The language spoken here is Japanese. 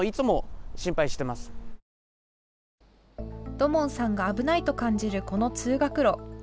土門さんが危ないと感じるこの通学路。